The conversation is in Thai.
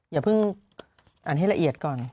อย่าเพิ่งอ่านให้ละเอียดก่อน